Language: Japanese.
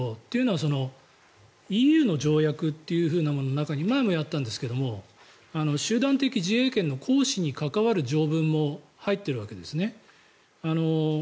というのはＥＵの条約っていうものの中に前もやったんですが集団的自衛権の行使に関わる条文も入っているわけですね。